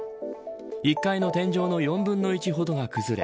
１階の天井の４分の１ほどが崩れ